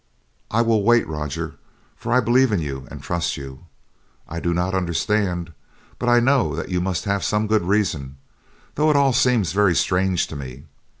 "I will wait, Roger, for I believe in you and trust you. I do not understand, but I know that you must have some good reason, though it all seems very strange to me.